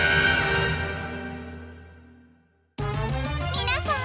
みなさん！